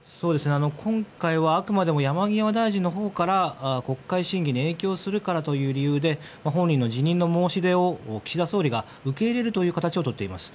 今回はあくまでも山際大臣のほうから国会審議に影響するからという理由で本人の辞任の申し出を岸田総理が受け入れるという形を取っています。